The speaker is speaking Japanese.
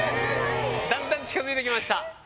だんだん近づいてきました。